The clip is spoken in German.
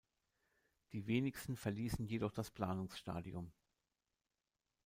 Die Wenigsten verließen jedoch das Planungsstadium.